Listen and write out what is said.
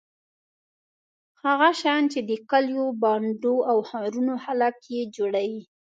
هغه شیان چې د کلیو بانډو او ښارونو خلک یې جوړوي.